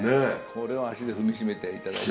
これは足で踏み締めていただいて。